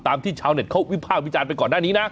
ที่ชาวเน็ตเขาวิภาควิจารณ์ไปก่อนหน้านี้นะ